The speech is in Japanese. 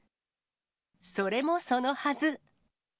それもそのはず。